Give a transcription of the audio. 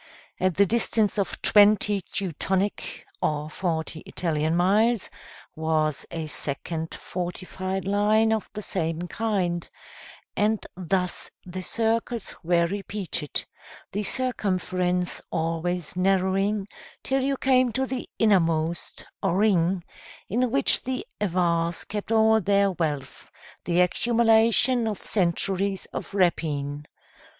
At the distance of twenty Teutonic, or forty Italian miles, was a second fortified line of the same kind; and thus the circles were repeated, the circumference always narrowing till you came to the innermost, or ring, in which the Avars kept all their wealth, the accumulation of centuries of rapine.